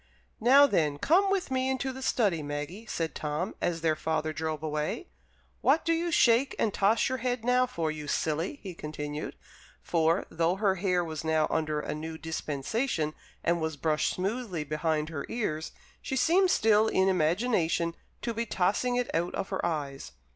"Now, then, come with me into the study, Maggie," said Tom, as their father drove away. "What do you shake and toss your head now for, you silly?" he continued; for, though her hair was now under a new dispensation, and was brushed smoothly behind her ears, she seemed still in imagination to be tossing it out of her eyes.